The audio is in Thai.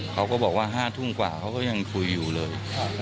เขาก็บอกว่า๕ทุ่มกว่าเขาก็ยังคุยอยู่เลย